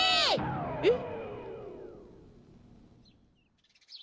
えっ？